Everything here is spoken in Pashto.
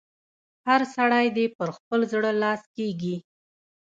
هر سړی دې پر خپل زړه لاس کېږي.